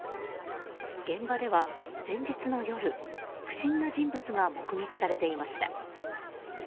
現場では、前日の夜不審な人物が目撃されていました。